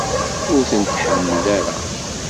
Ur tent-tḥemmel ara?